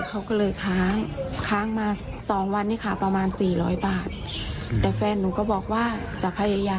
เขาก็เลยค้างค้างมา๒วันนี้ค่ะ